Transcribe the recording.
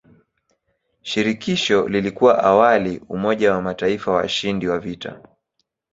Shirikisho lilikuwa awali umoja wa mataifa washindi wa vita.